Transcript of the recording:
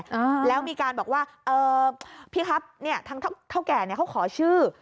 อ่าแล้วมีการบอกว่าเอ่อพี่ครับเนี้ยทางเท่าเท่าแก่เนี้ยเขาขอชื่อ